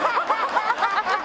ハハハハ！